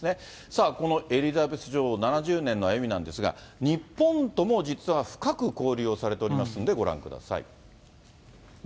さあ、このエリザベス女王７０年の歩みなんですが、日本とも実は深く交流をされておりますんで、ご覧ください。